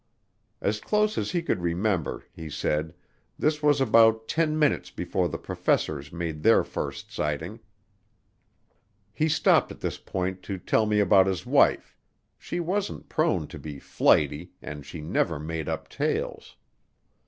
As close as he could remember, he said, this was about ten minutes before the professors made their first sighting. He stopped at this point to tell me about his wife, she wasn't prone to be "flighty" and she "never made up tales."